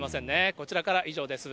こちらからは以上です。